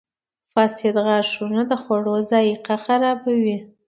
• فاسد غاښونه د خوړو ذایقه خرابوي.